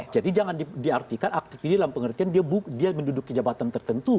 jadi jangan diartikan aktif ini dalam pengertian dia menduduki jabatan tertentu